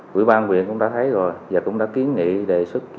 quỹ ban quyền cũng đã thấy rồi và cũng đã kiến nghị đề xuất